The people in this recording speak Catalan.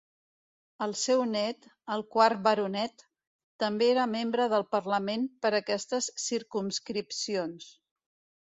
El seu nét, el quart Baronet, també era membre del parlament per aquestes circumscripcions.